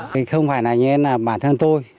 không phải như bản thân tôi